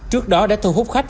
trước đó đã thu hút khách